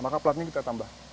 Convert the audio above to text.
maka platnya kita tambah